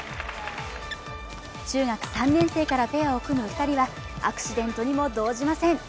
中学３年生からペアを組む２人は、アクシデントにも動じません。